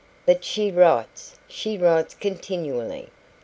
"But she writes she writes continually.